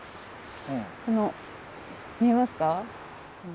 この、見えますか？